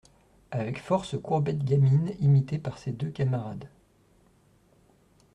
Avec force courbettes gamines imitées par ses deux camarades.